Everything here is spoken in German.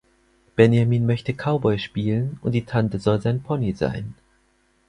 Benjamin möchte Cowboy spielen und die Tante soll sein Pony sein.